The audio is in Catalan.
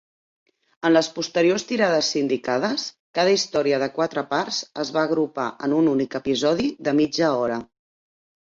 En les posteriors tirades sindicades, cada història de quatre parts es va agrupar en un únic episodi de mitja hora.